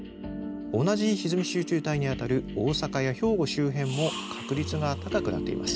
同じひずみ集中帯にあたる大阪や兵庫周辺も確率が高くなっています。